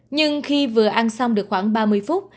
nhưng khi vừa ăn xong được khoảng ba mươi phút